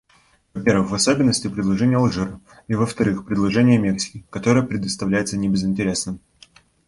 Во-первых, в особенности, предложение Алжира и, во-вторых, предложение Мексики, которое представляется небезынтересным.